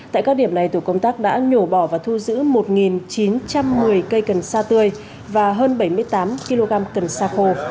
tại các điểm này tổ công tác đã nhổ bỏ và thu giữ một chín trăm một mươi cây cần sa tươi và hơn bảy mươi tám kg cần sa khô